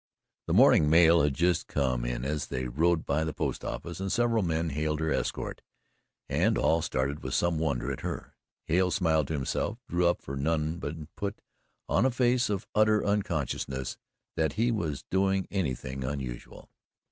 The morning mail had just come in as they rode by the post office and several men hailed her escort, and all stared with some wonder at her. Hale smiled to himself, drew up for none and put on a face of utter unconsciousness that he was doing anything unusual.